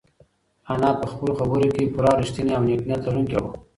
انا په خپلو خبرو کې پوره رښتینې او نېک نیت لرونکې وه.